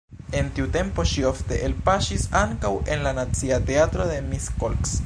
En tiu tempo ŝi ofte elpaŝis ankaŭ en la Nacia Teatro de Miskolc.